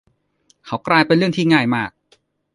เขากลายเป็นเรื่องที่ง่ายมาก